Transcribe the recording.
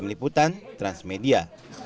tim liputan transmedia